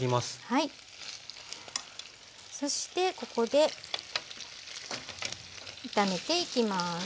そしてここで炒めていきます。